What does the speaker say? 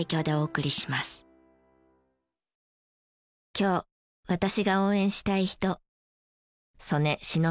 今日私が応援したい人。